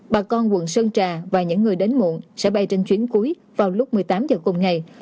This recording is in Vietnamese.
bà con quận sơn trà và những người đến muộn sẽ bay trên chuyến cuối vào lúc một mươi tám h cùng ngày